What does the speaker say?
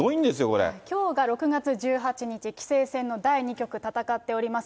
きょうが６月１８日、棋聖戦の第２局戦っております。